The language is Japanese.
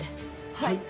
はい。